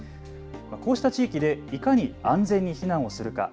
こうした地域でいかに安全に避難をするか。